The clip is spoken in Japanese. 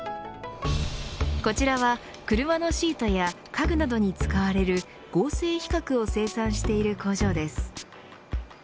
こちらは車のシートや家具などに使われる合成皮革を生産している工場です。